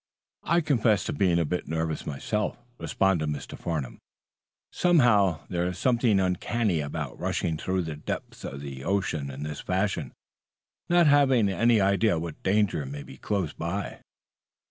"I'll confess to being a bit nervous myself," responded Mr. Farnum. "Somehow, there's something uncanny about rushing through the depths of the ocean in this fashion, not having any idea what danger you may be close by."